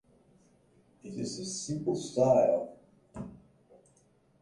It is a simple style.